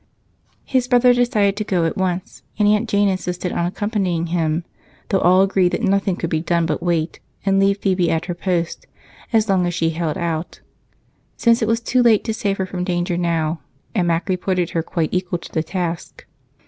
His brother decided to go at once, and Aunt Jane insisted on accompanying him, though all agreed that nothing could be done but wait, and leave Phebe at her post as long as she held out, since it was too late to save her from danger now and Mac reported her quite equal to the task.